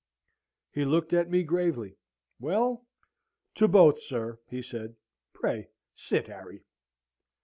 "He looked at me gravely. 'Well, to both, sir,' he said. 'Pray sit, Harry.'